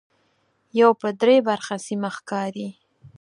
یو پر درې برخه سیمه ښکاري.